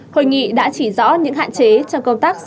hội nghị đã chỉ rõ những hạn chế trong công tác